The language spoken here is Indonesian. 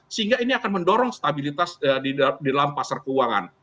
sehingga ini akan mendorong stabilitas di dalam pasar keuangan